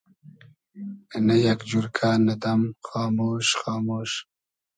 نۂ یئگ جورکۂ, نۂ دئم خامۉش خامۉش